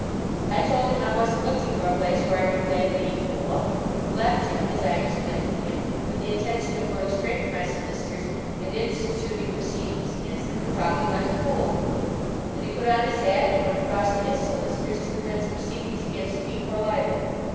I told him I wasn't looking for a place where I could play at being Noah; and left him, as I explained to him, with the intention of going straight to my solicitors and instituting proceedings against him for talking like a fool; and he put on his hat and went across to his solicitors to commence proceedings against me for libel.